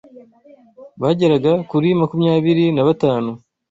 Bageraga kuri makumyabiri na batanu